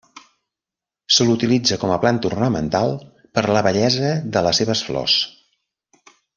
Se l'utilitza com a planta ornamental per la bellesa de les seves flors.